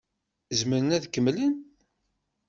Zemren ad kemmlen?